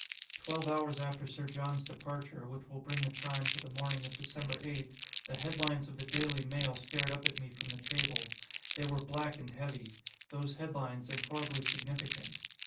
Twelve hours after Sir John's departure which will bring the time, to the morning of December 8 the headlines of the Daily Mail stared up at me from the table. They were black and heavy: those headlines, and horribly significant.